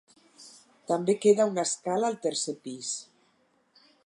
També queda una escala al tercer pis.